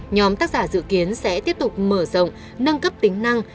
nhóm tác giả dự kiến sẽ tiếp tục mở rộng nâng cấp tính năng